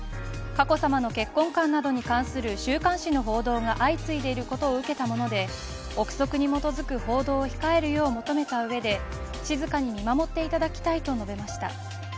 佳子さまの結婚観などに関する週刊誌の報道が相次いでいることを受けたもので臆測に基づく報道を控えるよう求めたうえで静かに見守っていただきたいと述べました。